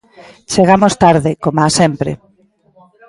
Chegamos tarde, coma sempre.